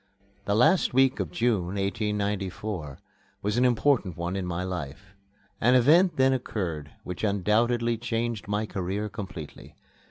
The last week of June, 1894, was an important one in my life. An event then occurred which undoubtedly changed my career completely.